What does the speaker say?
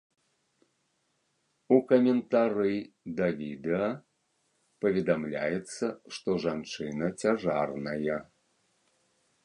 У каментары да відэа паведамляецца, што жанчына цяжарная.